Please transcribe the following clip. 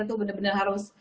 itu bener bener harus